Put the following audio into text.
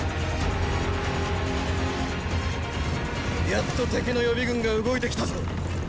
やっと敵の予備軍が動いて来たぞ！